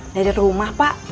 dari rumah pak